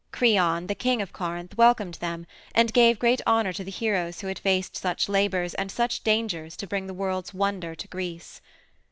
Creon, the king of Corinth, welcomed them and gave great honor to the heroes who had faced such labors and such dangers to bring the world's wonder to Greece.